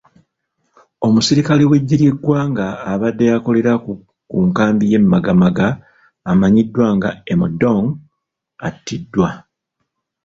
Omusirikale w'eggye ly'eggwanga abadde akolera ku nkambi y'e Magamaga amanyiidwa nga Emodong attiddwa.